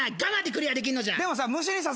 でもさ